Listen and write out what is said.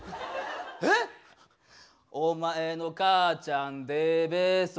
お前の母ちゃんでべそ。